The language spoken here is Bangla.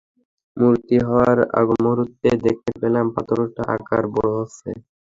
মূর্তি হওয়ার আগমূহুর্তে দেখতে পেলাম পাথরটার আকার বড় হচ্ছে।